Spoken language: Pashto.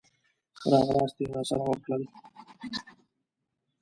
ښه راغلاست یې راسره وکړل.